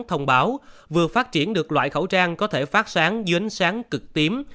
thông báo vừa phát triển được loại khẩu trang có thể phát sáng duyến sáng cực tím